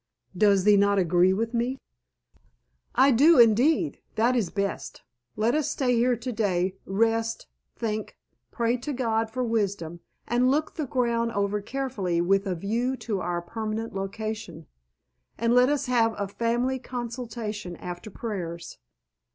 Does thee not agree with me?" "I do indeed. That is best. Let us stay here to day, rest, think, pray to God for wisdom, and look the ground over carefully with a view to our permanent location. And let us have a family consultation after prayers."